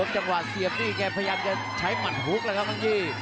จังหวะเสียบนี่แกพยายามจะใช้หมัดฮุกแล้วครับมังยี่